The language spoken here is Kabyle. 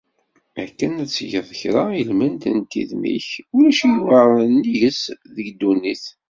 Akken ad tgeḍ kra ilmend n tidmi-k, ulac i iweεren nnig-s deg ddunit.